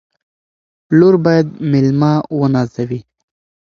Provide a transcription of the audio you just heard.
لور باید مېلمه ونازوي.